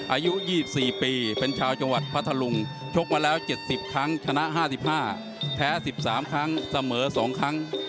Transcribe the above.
อายุ๒๔ปีเป็นชาวจังหวัดพัทธลุงชกมาแล้ว๗๐ครั้งชนะ๕๕แพ้๑๓ครั้งเสมอ๒ครั้ง